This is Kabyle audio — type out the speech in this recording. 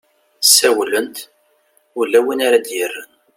ssawlent ula win ara ad-yerren